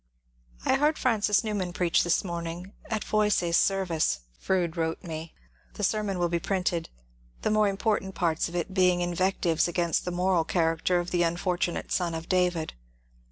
^^ I heard Francis Newman preach this morning at Voysey's service," Fronde wrote me. The sermon will be printed ; the more important parts of it being invectives against the moral character of the unfortunate son of David.